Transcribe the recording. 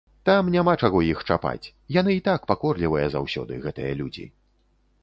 Там няма чаго іх чапаць, яны й так пакорлівыя заўсёды, гэтыя людзі.